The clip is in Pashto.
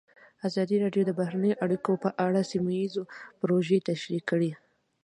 ازادي راډیو د بهرنۍ اړیکې په اړه سیمه ییزې پروژې تشریح کړې.